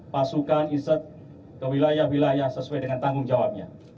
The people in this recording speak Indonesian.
pasukan inset ke wilayah wilayah sesuai dengan tanggung jawabnya